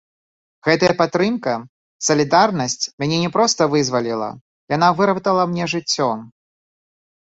Гэтая падтрымка, салідарнасць мяне не проста вызваліла, яна выратавала мне жыццё.